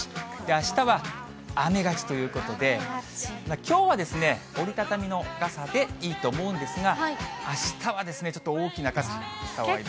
あしたは雨がちということで、きょうは折り畳みの傘でいいと思うんですが、あしたはちょっと大きな傘がいいですね。